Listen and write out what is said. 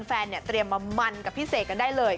แฟนเนี่ยเตรียมมามันกับพี่เสกกันได้เลย